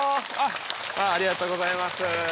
ありがとうございます。